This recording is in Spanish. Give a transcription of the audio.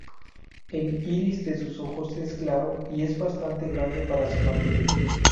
El iris de sus ojos es claro y es bastante grande para su familia.